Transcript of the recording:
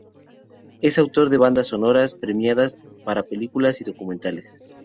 Es autor de bandas sonoras premiadas para películas y documentales.